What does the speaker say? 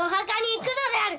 行くのである！